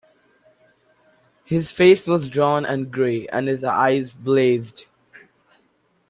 His face was drawn and grey and his eyes blazed.